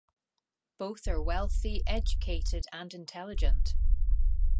Both are wealthy, educated, and intelligent.